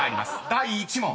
第１問］